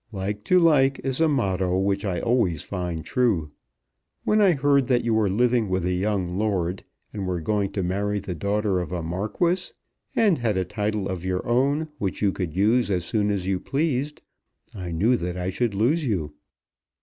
Like to like is a motto which I always find true. When I heard that you were living with a young lord, and were going to marry the daughter of a marquis, and had a title of your own which you could use as soon as you pleased, I knew that I should lose you."